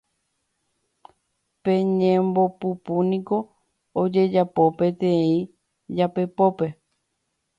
Pe ñembopupúniko ojejapo peteĩ japepópe